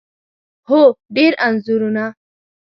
هو، ډیر انځورونه